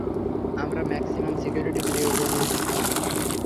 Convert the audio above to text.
আমরা maximum security প্রিজনে আছি।